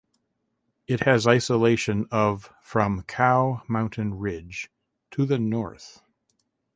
It has isolation of from Cow Mountain Ridge to the north.